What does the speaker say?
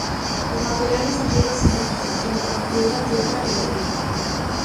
Los materiales empleados en su construcción fueron piedra, tierra y ladrillo.